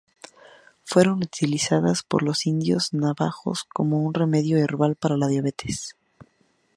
Fueron utilizadas por los indios navajos como un remedio herbal para la diabetes.